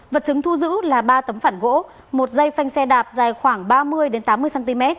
vật chứng thu giữ là ba tấm phản gỗ một dây phanh xe đạp dài khoảng ba mươi tám mươi cm